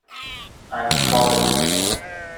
اَنفال